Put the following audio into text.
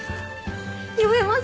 読めます